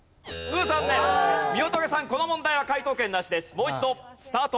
もう一度スタート。